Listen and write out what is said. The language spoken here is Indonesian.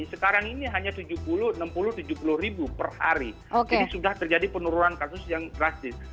sekarang ini hanya tujuh puluh enam puluh tujuh puluh ribu per hari jadi sudah terjadi penurunan kasus yang drastis